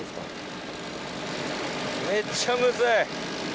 めっちゃムズい！